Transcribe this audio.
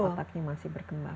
dimana otaknya masih berkembang